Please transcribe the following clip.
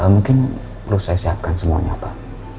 mungkin perlu saya siapkan semuanya pak